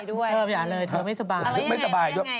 เธออย่าเลยเธอไม่สบาย